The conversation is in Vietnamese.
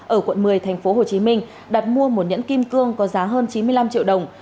ở quận một mươi tp hcm đặt mua một nhẫn kim cương có giá hơn chín mươi năm triệu đồng